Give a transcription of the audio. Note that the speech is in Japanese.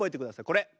これ。